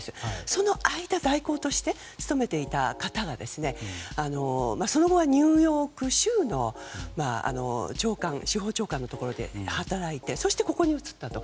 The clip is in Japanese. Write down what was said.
その間勤めていた方がその後はニューヨーク州の司法長官のところで働いて、そこに移ったと。